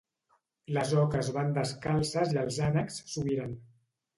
Les oques van descalces i els ànecs s'ho miren